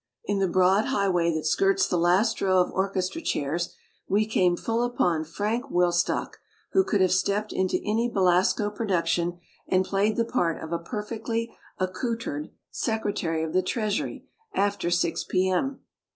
In the broad high way that skirts the last row of or chestra chairs we came full upon Frank Wilstach who could have stepped into any Belasco production and played the part of a perfectly accoutred Sec retary of the Treasury after six P. M.